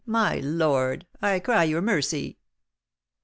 my lord! I cry your mercy!"